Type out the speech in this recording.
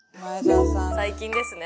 最近ですね。